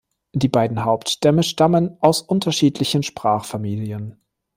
Die beiden Hauptstämme stammen aus unterschiedlichen Sprachfamilien.